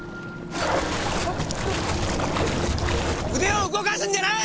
うでを動かすんじゃない！